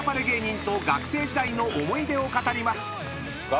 芸人と学生時代の思い出を語ります］